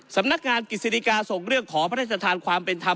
สำนักงานกฤษฎิกาส่งเรื่องขอพระราชทานความเป็นธรรม